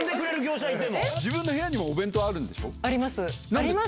自分の部屋にもお弁当あるんあります。